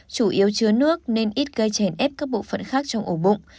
chủ yếu chứa nước nên ít gây chèn ép các bộ phận khác trong ổ bụng